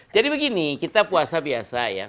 jadi begini kita puasa biasa ya